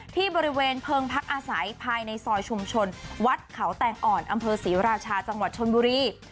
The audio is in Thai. ที่บริเวณเพิงพักอาศัยภายในซอยชุมชนวัดเขาแตงอ่อนอำเภอศรีราชาจังหวัดชนบุรี